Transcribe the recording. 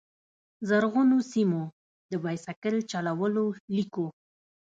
زرغونو سیمو، د بایسکل چلولو لیکو